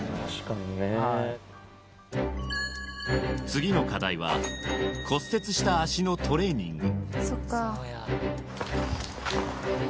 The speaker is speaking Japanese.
次の課題は骨折した足のトレーニング